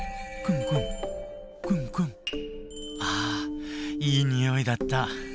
あいいにおいだった。